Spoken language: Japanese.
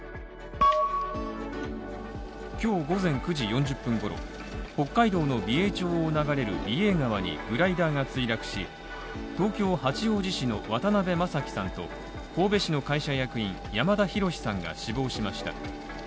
今日午前９時４０分ごろ、北海道の美瑛町を流れる美瑛川にグライダーが墜落し東京八王子市の渡邊正樹さんと、神戸市の会社役員山田広司さんが死亡しました。